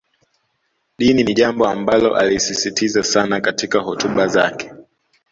Dini ni jambo ambalo alisisitiza sana katika hotuba zake